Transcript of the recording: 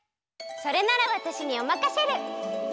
それならわたしにおまかシェル！